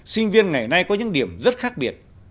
sinh viên ngày nay có những điểm rất khác biệt